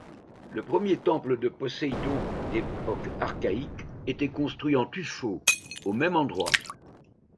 Le premier temple de Poséidon, d'époque archaïque, était construit en tuffeau, au même endroit.